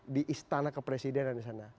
di istana kepresidenan di sana